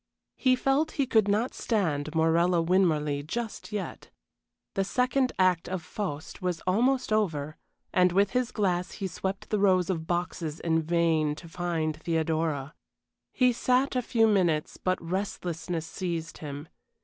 He felt he could not stand Morella Winmarleigh just yet. The second act of "Faust" was almost over, and with his glass he swept the rows of boxes in vain to find Theodora. He sat a few minutes, but restlessness seized him.